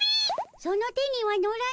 その手には乗らぬ。